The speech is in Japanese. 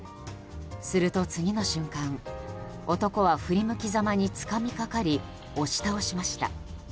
すると、次の瞬間男は振り向きざまにつかみかかり、押し倒しました。